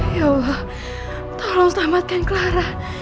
ya tolong selamatkan clara